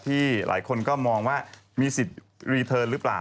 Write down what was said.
ที่หลายคนก็มองว่ามีสิทธิ์รีเทิร์นหรือเปล่า